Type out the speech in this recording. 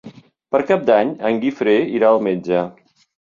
Per Cap d'Any en Guifré irà al metge.